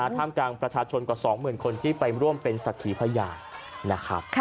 ท่ามกลางประชาชนกว่าสองหมื่นคนที่ไปร่วมเป็นศักดิ์ภายานะครับ